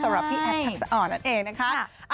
สำหรับพี่แอฟทักษะอ่อนนั่นเองนะคะ